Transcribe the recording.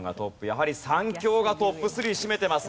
やはり３強がトップ３占めてますが。